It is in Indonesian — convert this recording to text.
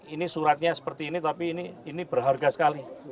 ini suratnya seperti ini tapi ini berharga sekali